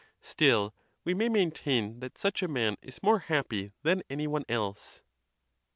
Still, we may maintain that such a man is more happy than any one else.